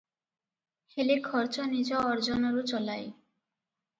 ହେଲେ ଖର୍ଚ୍ଚ ନିଜ ଅର୍ଜନରୁ ଚଳାଏ ।